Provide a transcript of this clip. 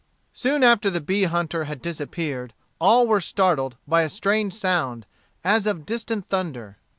Soon after the bee hunter had disappeared, all were startled by a strange sound, as of distant thunder.